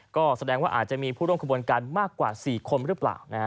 ก็แสดงว่าอาจจะมีผู้ร่วมขบวนการมากกว่า๔คนหรือเปล่า